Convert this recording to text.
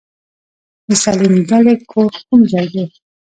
د سليم دلې کور کوم ځای دی؟